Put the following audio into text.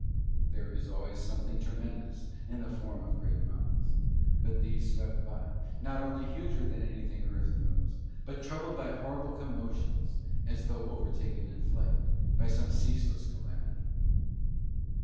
There is always something tremendous in the form of great mountains; but these swept by, not only huger than anything Earth knows, but troubled by horrible commotions, as though overtaken in flight by some ceaseless calamity.